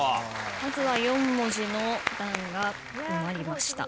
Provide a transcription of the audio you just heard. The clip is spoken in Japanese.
まずは４文字の段が埋まりました。